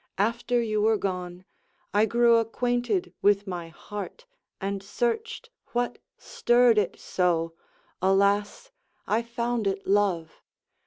After you were gone, I grew acquainted with my heart, and searched What stirred it so: alas, I found it love!